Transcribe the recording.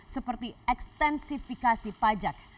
seperti ekstensifikasi pajak